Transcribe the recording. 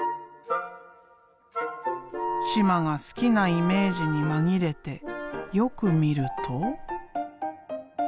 嶋が好きなイメージに紛れてよく見ると。